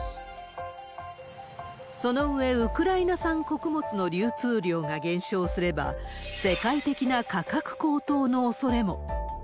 その上、ウクライナ産穀物の流通量が減少すれば、世界的な価格高騰のおそれも。